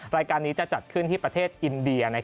รายการนี้จะจัดขึ้นที่ประเทศอินเดีย